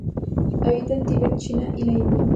Habita en el Tibet, China y la India.